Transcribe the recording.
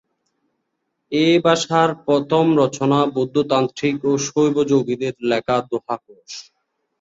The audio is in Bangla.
এ ভাষার প্রথম রচনা বৌদ্ধ তান্ত্রিক ও শৈব যোগীদের লেখা দোহাকোষ।